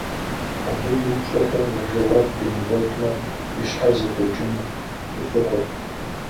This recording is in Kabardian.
Абы и упщӀэхэм я жэуап къимыгъуэтмэ, и щхьэр зэкӀуэкӀыну къыщыхъурт.